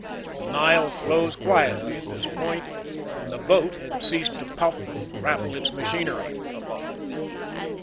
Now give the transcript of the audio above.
The Nile flows quietly at this point, and the boat had ceased to puff and rattle its machinery.